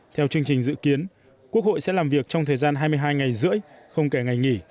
theo chương trình dự kiến quốc hội sẽ làm việc trong thời gian hai mươi hai ngày rưỡi không kể ngày nghỉ